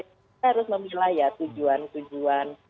kita harus memilah ya tujuan tujuan